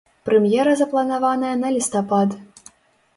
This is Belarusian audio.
Прэм'ера запланаваная на лістапад.